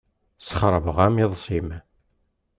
Sxeṛbeɣ-am iḍes-im.